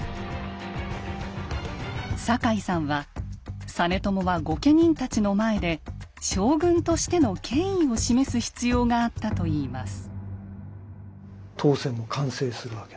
坂井さんは実朝は御家人たちの前で将軍としての権威を示す必要があったといいます。